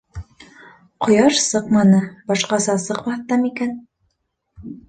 Ҡояш сыҡманы, башҡаса сыҡмаҫ та микән?